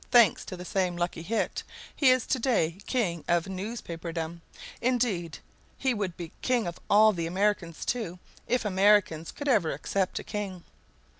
Thanks to the same lucky hit, he is to day king of newspaperdom; indeed, he would be king of all the Americans, too, if Americans could ever accept a king.